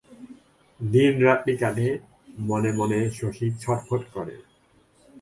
দিনরাত্রি কাটে, মনে মনে শশী ছটফট করে।